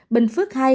bình phước hai